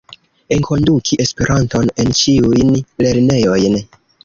Enkonduki Esperanton en ĉiujn lernejojn.